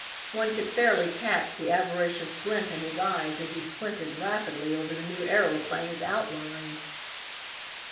One could fairly catch the avaricious glint in his eyes as he squinted rapidly over the new aeroplane's outlines.